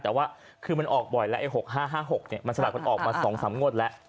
แต่ว่าคือมันออกบ่อยแล้วไอ้๖๕๕๖มันสลับกันออกมา๒๓งวดแล้ว